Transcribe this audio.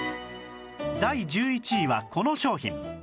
第１１位はこの商品